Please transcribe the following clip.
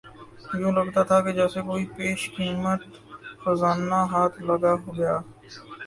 یوں لگتا تھا کہ جیسے کوئی بیش قیمت خزانہ ہاتھ لگا گیا